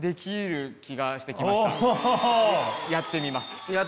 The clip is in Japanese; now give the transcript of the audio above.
やってみます。